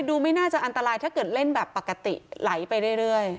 ไม่น่าจะอันตรายถ้าเกิดเล่นแบบปกติไหลไปเรื่อย